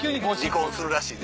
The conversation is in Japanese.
離婚するらしいで。